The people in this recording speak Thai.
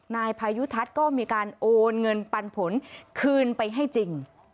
นายพายุทัศน์ก็มีการโอนเงินปันผลคืนไปให้จริง